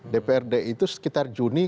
dprd itu sekitar juni